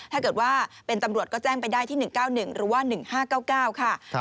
ถ้าเกิดว่าเป็นตำรวจก็แจ้งไปได้ที่๑๙๑หรือว่า๑๕๙๙ค่ะ